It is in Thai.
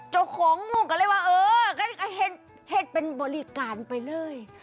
เจ้าของงูก็เลยว่าเออก็เห็นเป็นบริการไปเลย